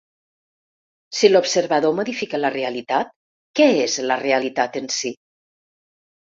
Si l’observador modifica la realitat, què és la realitat en si?